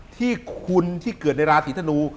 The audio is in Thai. ที่คุณที่เกิดในราศีธนู